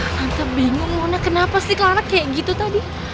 nanti bingung mona kenapa sih clara kayak gitu tadi